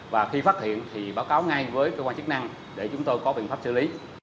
và khi phát hiện thì báo cáo ngay với cơ quan chức năng để chúng tôi có biện pháp xử lý